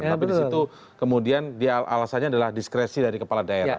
tapi disitu kemudian alasannya adalah diskresi dari kepala daerah